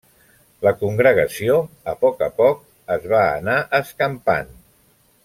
La congregació, a poc a poc, es va anar escampant.